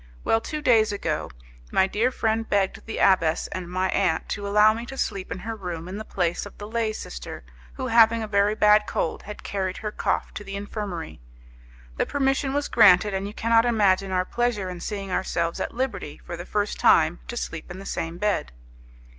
Well, two days ago, my dear friend begged the abbess and my aunt to allow me to sleep in her room in the place of the lay sister, who, having a very bad cold, had carried her cough to the infirmary. The permission was granted, and you cannot imagine our pleasure in seeing ourselves at liberty, for the first time, to sleep in the same bed.